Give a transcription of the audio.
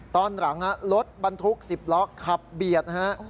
ตอนหลังรถบรรทุก๑๐ล้อขับเบียดฮะ